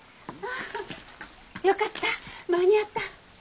あよかった間に合った。